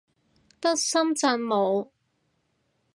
得深圳冇